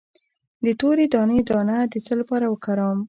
د تورې دانې دانه د څه لپاره وکاروم؟